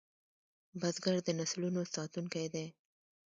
بزګر د نسلونو ساتونکی دی